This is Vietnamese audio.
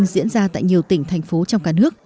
diễn ra tại nhiều tỉnh thành phố trong cả nước